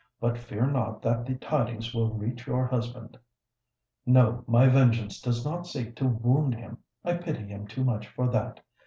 "But fear not that the tidings will reach your husband. No: my vengeance does not seek to wound him:—I pity him too much for that!